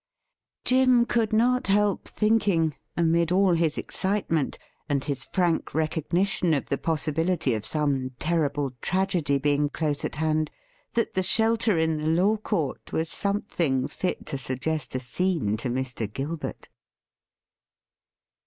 Jim could not help thinking, amid all his excitement and his frank recognition of the possibility of some terrible tragedy being close at hand, that the shelter in the law court was something fit to suggest a scene to Mr. Gilbert.